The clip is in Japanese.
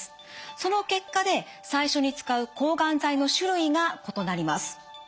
その結果で最初に使う抗がん剤の種類が異なります。